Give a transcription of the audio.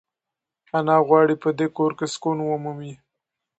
انا غواړي چې په دې کور کې سکون ومومي.